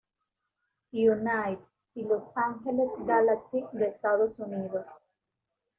United y Los Angeles Galaxy de Estados Unidos.